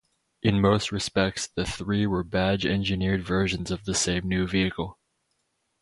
In most respects the three were badge-engineered versions of the same new vehicle.